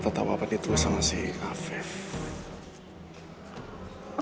gak tau apa apa ditulis sama si kafef